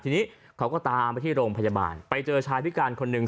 ทีนี้เขาก็ตามไปที่โรงพยาบาลไปเจอชายพิการคนหนึ่ง